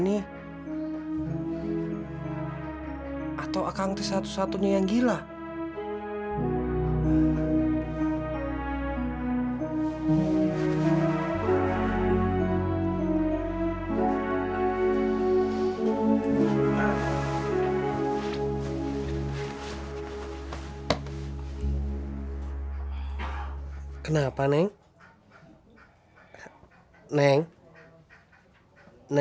smart john visi indonesia menawarkan